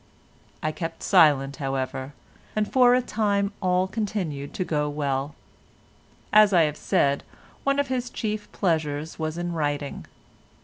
I kept silence, however, and for a time all continued to go well. As I have said, one of his chief pleasures was in writing.